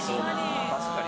確かに。